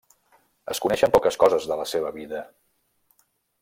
Es coneixen poques coses de la seva vida.